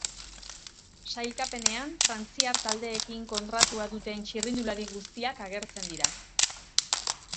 Sailkapenean frantziar taldeekin kontratua duten txirrindulari guztiak agertzen dira.